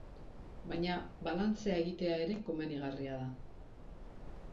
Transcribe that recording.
Baina, balantzea egitea ere komenigarria da.